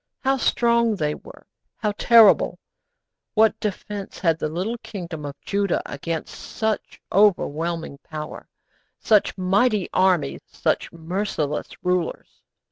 How strong they were how terrible! What defence had the little kingdom of Judah against such overwhelming power, such mighty armies, such merciless rulers?